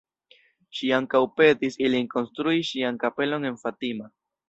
Ŝi ankaŭ petis ilin konstrui ŝian kapelon en Fatima.